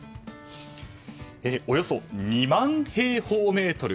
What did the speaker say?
およそ２万平方メートル。